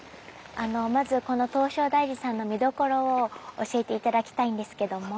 あのまずこの唐招提寺さんの見どころを教えて頂きたいんですけども。